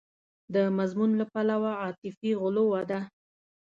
د مضمون له پلوه عاطفي غلوه ده.